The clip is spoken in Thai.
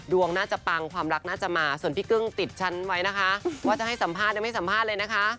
ดวงน่าจะปังความรักน่าจะมาส่วนพี่กึ้งติดชั้นไว้นะคะว่าจะให้สัมภาษณ์ไม่สัมภาษณ์เลยนะคะ